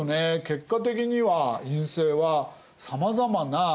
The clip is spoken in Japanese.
結果的には院政はさまざまな権益